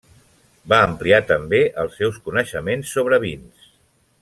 Va ampliar també els seus coneixements sobre vins.